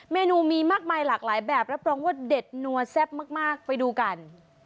เมนูมีมากมายหลากหลายแบบรับรองว่าเด็ดนัวแซ่บมากไปดูกัน